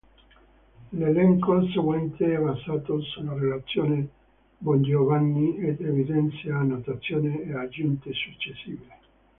L'elenco seguente è basato sulla relazione Bongiovanni ed evidenzia annotazioni o aggiunte successive.